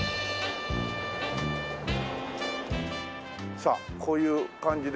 さあこういう感じで。